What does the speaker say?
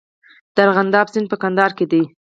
د ارغنداب سیند په کندهار کې دی